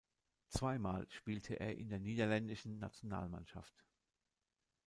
Zweimal spielte er in der niederländischen Nationalmannschaft.